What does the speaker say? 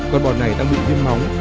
con bò này đang bị viêm móng